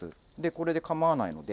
これで構わないので。